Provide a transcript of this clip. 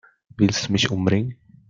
Willst du mich umbringen?